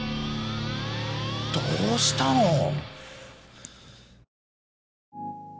どうしたの？